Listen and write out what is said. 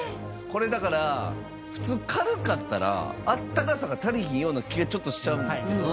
これだから普通軽かったらあったかさが足りひんような気がちょっとしちゃうんですけど。